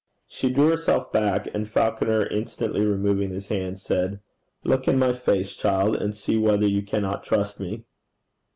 She drew herself back, and Falconer, instantly removing his hand, said, 'Look in my face, child, and see whether you cannot trust me.'